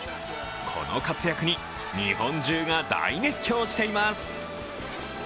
この活躍に日本中が大熱狂しています。